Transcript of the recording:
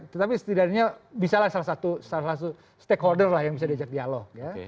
tetapi setidaknya bisa lah salah satu stakeholder lah yang bisa diajak dialog ya